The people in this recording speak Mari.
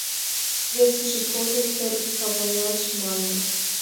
Весыже тольо — тер таванаш, мане.